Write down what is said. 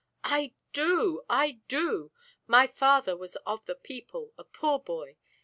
"I do! I do! My father was of the people, a poor boy.